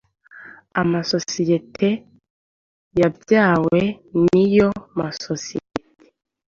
amasosiyete yabyawe niyo sosiyete.